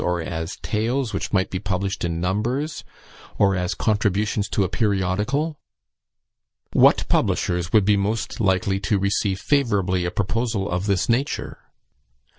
or as tales which might be published in numbers, or as contributions to a periodical? "What publishers would be most likely to receive favourably a proposal of this nature?